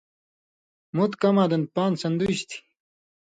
مُت کماں دَن پان٘د سن٘دُژ تھی،